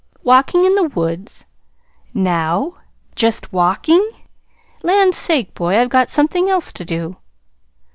"Walking in the woods, NOW JUST WALKING? Land's sake, boy, I've got something else to do!"